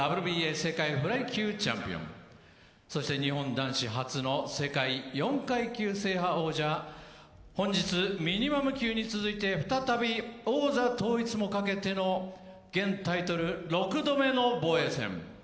世界フライ級チャンピオン、世界４階級制覇王者本日ミニマム級に続いて再び王座統一もかけての現タイトル６度目の防衛戦。